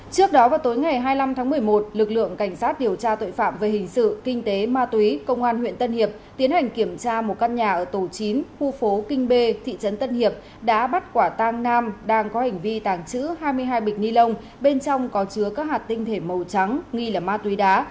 trước đó vào tối ngày hai mươi năm tháng một mươi một lực lượng cảnh sát điều tra tội phạm về hình sự kinh tế ma túy công an huyện tân hiệp tiến hành kiểm tra một căn nhà ở tổ chín khu phố kinh bê thị trấn tân hiệp đã bắt quả tang nam đang có hành vi tàng trữ hai mươi hai bịch ni lông bên trong có chứa các hạt tinh thể màu trắng nghi là ma túy đá